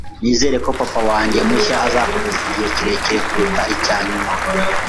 Nizere ko papa wanjye mushya azakomeza igihe kirekire kuruta icya nyuma.